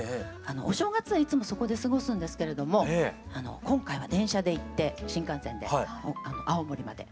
お正月はいつもそこで過ごすんですけれども今回は電車で行って新幹線で青森まで。